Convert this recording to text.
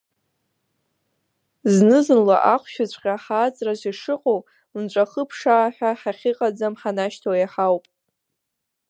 Зны-зынла ахәшәыҵәҟьа ҳааҵраҿ ишыҟоу, мҵәахы ԥшаа ҳәа, иахьыҟаӡам ҳанашьҭоу еиҳауп.